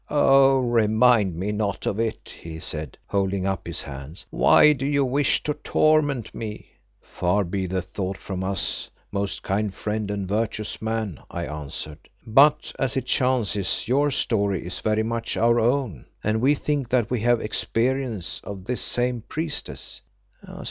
"Oh! remind me not of it," he said, holding up his hands. "Why do you wish to torment me?" "Far be the thought from us, most kind friend and virtuous man," I answered. "But, as it chances, your story is very much our own, and we think that we have experience of this same priestess."